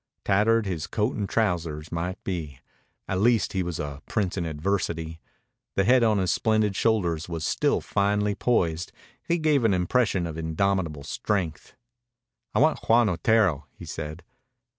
Tattered his coat and trousers might be. At least he was a prince in adversity. The head on the splendid shoulders was still finely poised. He gave an impression of indomitable strength. "I want Juan Otero," he said.